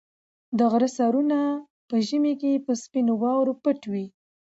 د غره سرونه په ژمي کې په سپینو واورو پټ وي.